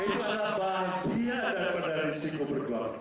itu adalah bahagia daripada risiko perjuangan kita